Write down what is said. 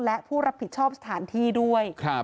และผู้รับผิดชอบสถานที่ด้วย